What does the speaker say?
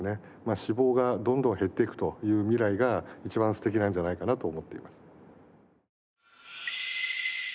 死亡がどんどん減っていくという未来が一番素敵なんじゃないかなと思っています。